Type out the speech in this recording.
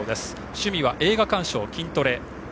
趣味は映画鑑賞、筋トレ。